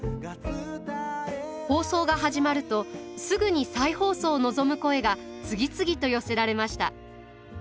放送が始まるとすぐに再放送を望む声が次々と寄せられました。